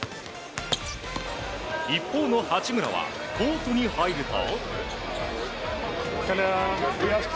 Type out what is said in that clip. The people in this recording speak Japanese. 一方の八村はコートに入ると。